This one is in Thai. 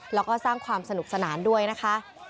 แล้วก็สร้างความสนุกสนานด้วยนะคะ